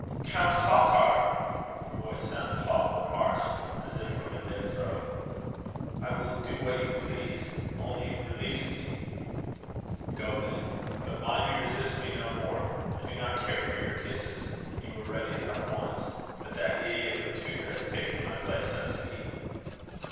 "Count Halkar!" her voice sounded hollow and harsh, as if from a dead throat "I will do what you please. Only release me." "Go then; but mind you resist me no more. I do not care for your kisses. You were ready enough once. But that idiot of a tutor has taken my place, I see."